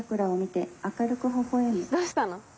どうしたの？